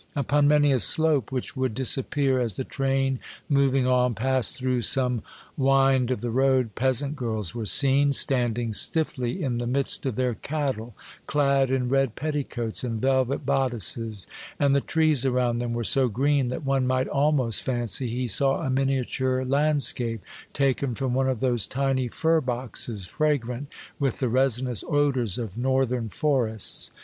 Upon many a slope which would disappear as the train moving on passed through some wind of the road, peasant girls were seen, standing stiffly in the midst of their cattle, clad in red petticoats and velvet bodices, and the trees around them were so green that one might almost fancy he saw a miniature landscape taken from one of those tiny fir boxes fragrant with the resinous odors of Northern forests.